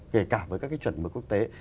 kể cả với các cái chuẩn mực quốc tế